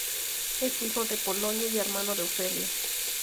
Es hijo de Polonio y hermano de Ofelia.